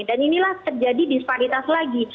dan inilah terjadi disparitas lagi